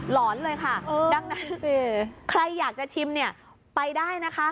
หอนเลยค่ะดังนั้นสิใครอยากจะชิมเนี่ยไปได้นะคะ